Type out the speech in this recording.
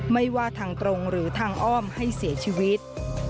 ไม่ว่าทางตรงหรือทางอ้อมให้เสียชีวิต